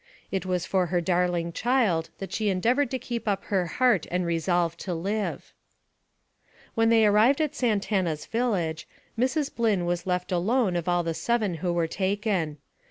It was for her darling child that she endeavored to keep up her heart and resolve to live. When they arrived at Santana's village, Mrs. Blynn was left alone of all the seven who were taken.